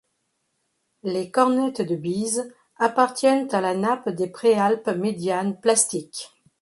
Les Cornettes de Bise appartiennent à la nappe des Préalpes médianes plastiques.